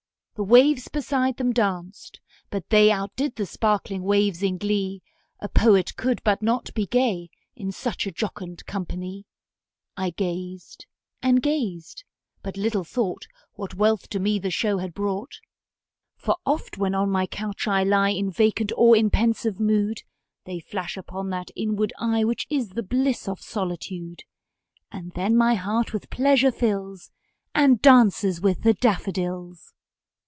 The waves beside them danced; but they Outdid the sparkling waves in glee; A poet could not but be gay, In such a jocund company; I gazed and gazed but little thought What wealth to me the show had brought: For oft, when on my couch I lie In vacant or in pensive mood, They flash upon that inward eye Which is the bliss of solitude; And then my heart with pleasure fills, And dances with the daffodils.